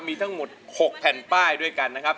มีทั้งหมด๖แผ่นป้ายด้วยกันนะครับ